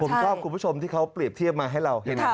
ผมชอบคุณผู้ชมที่เขาเปรียบเทียบมาให้เราเห็น